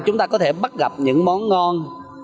chúng ta có thể bắt gặp những món ngon